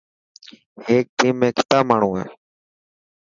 هيڪ ٽيم ۾ ڪتا ماڻهو هي.